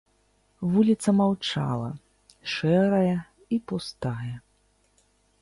Вуліца маўчала, шэрая і пустая.